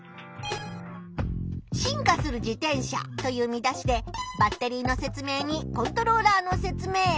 「進化する自転車」という見出しでバッテリーのせつ明にコントローラーのせつ明。